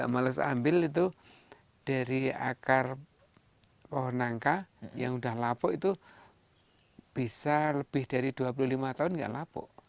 males ambil itu dari akar pohon nangka yang sudah lapuk itu bisa lebih dari dua puluh lima tahun nggak lapuk